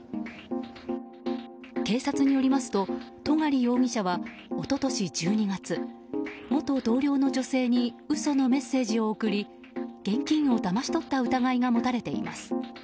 警察によりますと戸狩容疑者は一昨年１２月元同僚の女性に嘘のメッセージを送り現金をだまし取った疑いが持たれています。